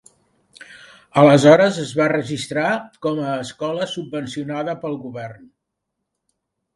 Aleshores es va registrar com a escola subvencionada pel govern.